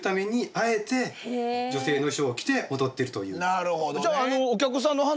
なるほどね。